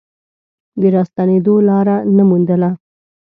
د راستنېدو لاره نه موندله.